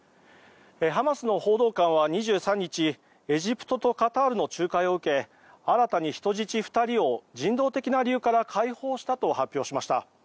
ハマスの報道官は２３日エジプトとカタールの仲介を受け新たに人質２人を人道的な理由から解放したと発表しました。